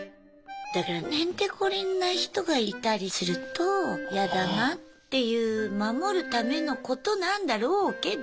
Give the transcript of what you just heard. だからへんてこりんな人がいたりするとやだなっていう守るためのことなんだろうけど。